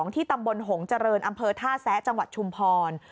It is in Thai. ที่ตำบลหงเจริญอำเภอท่าแซะจังหวัดชุมพร